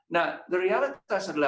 nah realitas kita adalah